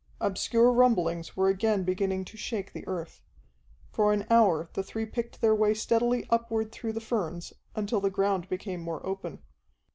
Obscure rumblings were again beginning to shake the earth. For an hour the three picked their way steadily upward through the ferns, until the ground became more open.